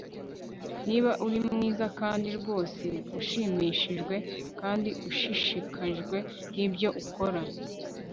niba uri mwiza kandi rwose ushimishijwe kandi ushishikajwe nibyo ukora